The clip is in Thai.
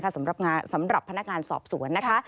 สำหรับพนักงานสอบสวนนะคะ